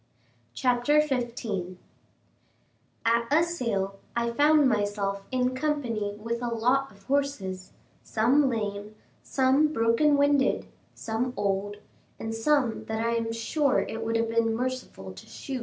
CHAPTER XV At a sale I found myself in company with a lot of horses some lame, some broken winded, some old, and some that I am sure it would have been merciful to shoot.